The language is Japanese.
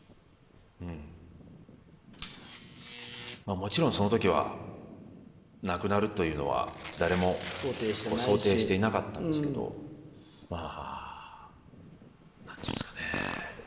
もちろんその時は亡くなるというのは誰も想定してないしうん想定していなかったんですけどまあなんていうんですかね